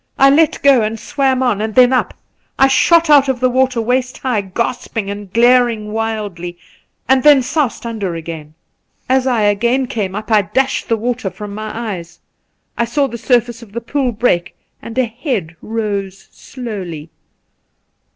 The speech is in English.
I let go and swam on, and then up. I shot out of the water waist high, gasping and glaring wildly, and then soused under again. As I again came up I 184 The Pool dashed the water from my eyes. I saw the surface of the pool break, and a head rose slowly.